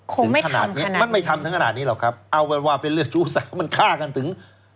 คงไม่ทำขนาดนี้มันไม่ทำทั้งขนาดนี้หรอกครับเอาว่าเป็นเลือดชู้สารมันฆ่ากันถึง